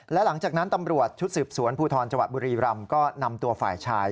และหลังจากนั้นตำรวจชุดสืบสวนภูทรจังหวัดบุรีรำก็นำตัวฝ่ายชาย